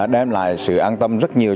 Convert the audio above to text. đem lại sự an tâm rất nhiều